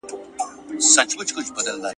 رواني تر ګرېوانه